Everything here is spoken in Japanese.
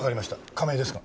亀井ですが。